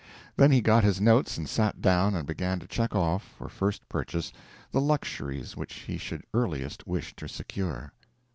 Then he got his notes and sat down and began to check off, for first purchase, the luxuries which he should earliest wish to secure.